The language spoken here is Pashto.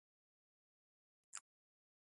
دې راته وویل: دا رېښتیا دي که څنګه؟